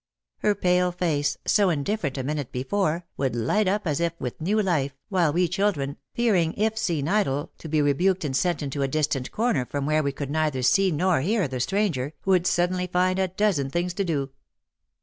Her pale face, so indifferent a minute before, would light up as if with new life, while we children, fearing, if seen idle, to be rebuked and sent into a distant corner from where we could neither see nor hear the stranger, would sud denly find a dozen things to do.